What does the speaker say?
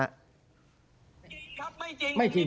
จริงครับไม่จริง